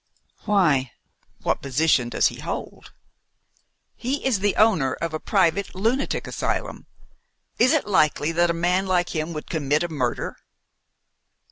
"Why! what position does he hold?" "He is the owner of a private lunatic asylum. Is it likely that a man like him would commit a murder?"